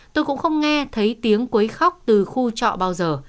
tôi cũng không nghe thấy tiếng quấy khóc từ khu trọ bao giờ